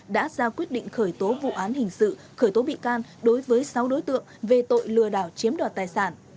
đã ra quyết định khởi tố vụ án hình sự khởi tố bị can đối với sáu đối tượng về tội lừa đảo chiếm đoạt tài sản